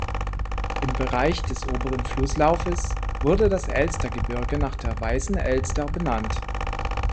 Im Bereich des oberen Flusslaufes wurde das Elstergebirge nach der Weißen Elster benannt.